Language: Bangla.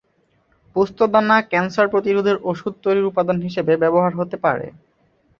পোস্তদানা ক্যান্সার প্রতিরোধের ওষুধ তৈরির উপাদান হিসেবে ব্যবহার হতে পারে।